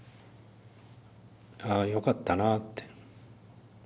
ああよかったなって。